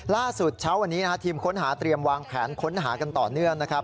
เช้าวันนี้ทีมค้นหาเตรียมวางแผนค้นหากันต่อเนื่องนะครับ